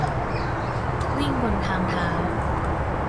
- วิ่งบนทางเท้า